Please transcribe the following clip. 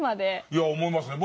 いや思いますね。